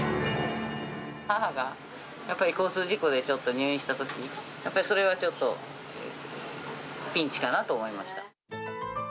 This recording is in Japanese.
母がやっぱり交通事故でちょっと入院したとき、やっぱりそれはちょっとピンチかなと思いまし